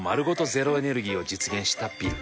ゼロエネルギーを実現したビル。